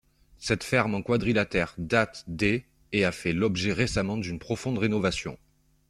Cette ferme en quadrilatère date des et a fait l'objet récemment d'une profonde rénovation.